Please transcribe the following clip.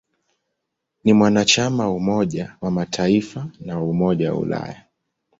Ni mwanachama wa Umoja wa Mataifa na wa Umoja wa Ulaya.